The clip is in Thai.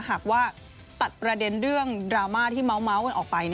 หากว่าตัดประเด็นเรื่องดราม่าที่เมาส์กันออกไป